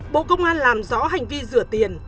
bộ công an làm rõ hành vi rửa tiền